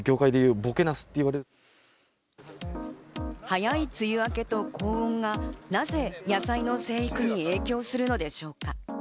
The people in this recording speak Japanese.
早い梅雨明けと高温がなぜ野菜の生育に影響するのでしょうか。